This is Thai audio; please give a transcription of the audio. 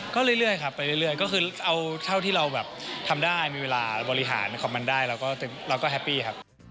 ก็เรื่อยครับไปเรื่อยก็คือเอาเท่าที่เราแบบทำได้มีเวลาบริหารคอมมันได้เราก็แฮปปี้ครับ